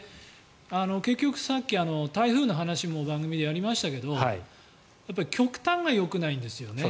結局、さっき台風の話も番組でやりましたけど極端がよくないんですよね。